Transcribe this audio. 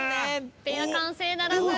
ペア完成ならず。